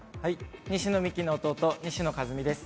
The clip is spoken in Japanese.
西野未姫の弟・西野一海です。